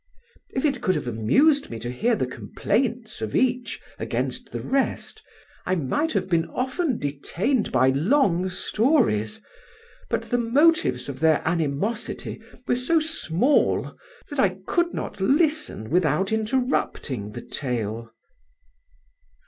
If it could have amused me to hear the complaints of each against the rest, I might have been often detained by long stories; but the motives of their animosity were so small that I could not listen without interrupting the tale."